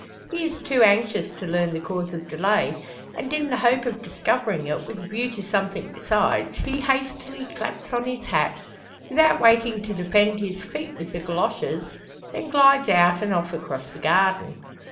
He is too anxious to learn the cause of delay; and, in the hope of discovering it, with a view to something besides, he hastily claps on his hat without waiting to defend his feet with the goloshes then glides out and off across the garden.